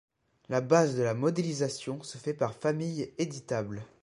La base de la modélisation se fait par familles éditables.